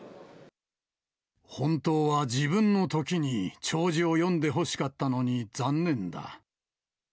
本当は自分のときに弔辞を読んでほしかったのに残念だ。